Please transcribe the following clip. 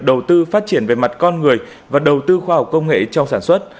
đầu tư phát triển về mặt con người và đầu tư khoa học công nghệ trong sản xuất